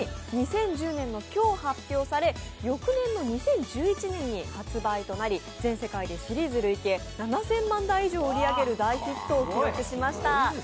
２０１０年の今日発表され、翌年の２０１１年に発売となり全世界でシリーズ累計７０００万台以上売れる大ヒットとなりました。